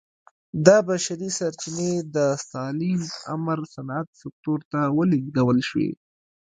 دا بشري سرچینې د ستالین په امر صنعت سکتور ته ولېږدول شوې